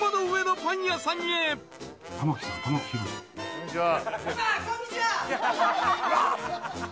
こんにちは。